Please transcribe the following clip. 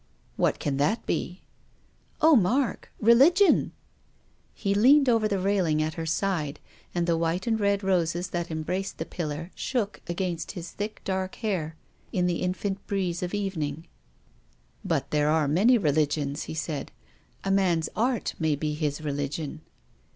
" What can that be ?"" Oh, Mark —religion !" He leaned over the railing at her side, and the ■white and red roses that embraced the pillar shook against his thick dark hair in the infant breeze of evening. " But there are many religions," he said. " A man's art may be his religion."